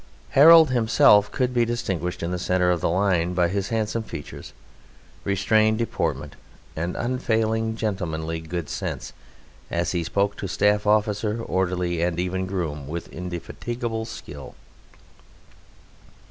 Harold himself could be distinguished in the centre of the line by his handsome features, restrained deportment, and unfailing gentlemanly good sense as he spoke to staff officer, orderly, and even groom with indefatigable skill.